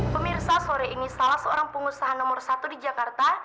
pemirsa sore ini salah seorang pengusaha nomor satu di jakarta